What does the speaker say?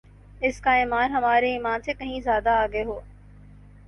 اس کا ایمان ہمارے ایمان سے کہین زیادہ آگے ہو